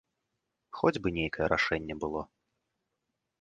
Хоць бы нейкае рашэнне было.